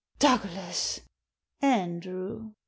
"Douglas!" "Andrew!"